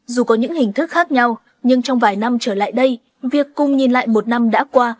dù có những hình thức khác nhau nhưng trong vài năm trở lại đây việc cùng nhìn lại một năm đã qua